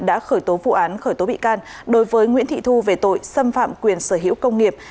đã khởi tố vụ án khởi tố bị can đối với nguyễn thị thu về tội xâm phạm quyền sở hữu công nghiệp